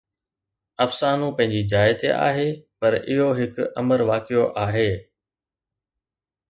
افسانو پنهنجي جاءِ تي آهي، پر اهو هڪ امر واقعو آهي